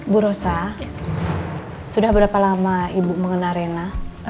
bu rosa sudah berapa lama ibu mengenal rena